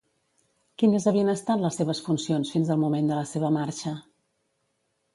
Quines havien estat les seves funcions fins al moment de la seva marxa?